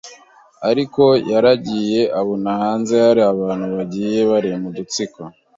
ariko yaragiye abona hanze hari abantu bagiye barema udutsiko